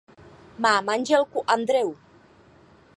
Má manželku Andreu.